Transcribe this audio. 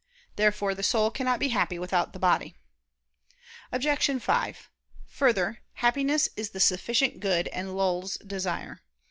Therefore the soul cannot be happy without the body. Obj. 5: Further, Happiness is the sufficient good and lulls desire.